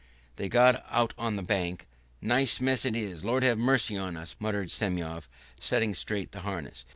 They got out on the bank. "Nice mess it is, Lord have mercy upon us!" muttered Semyon, setting straight the harness.